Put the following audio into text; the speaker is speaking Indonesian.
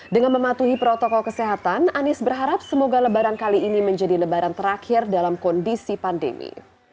dengan mematuhi protokol kesehatan anies berharap semoga lebaran kali ini menjadi lebaran terakhir dalam kondisi pandemi